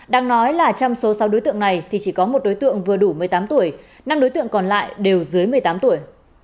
đang nói là trong số sáu đối tượng này thì chỉ có một đối tượng vừa đủ một mươi tám tuổi năm đối tượng còn lại đều dưới một mươi tám tuổi